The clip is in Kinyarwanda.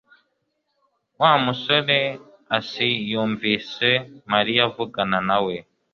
Wa musoreasi yumvise Mariya avugana nawe